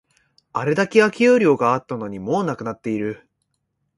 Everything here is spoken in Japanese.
あれだけ空き容量があったのに、もうなくなっている